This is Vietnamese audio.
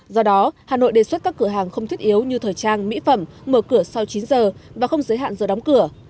do đó hà nội đề xuất các cửa hàng không thiết yếu như thời trang mỹ phẩm mở cửa sau chín giờ và không giới hạn giờ đóng cửa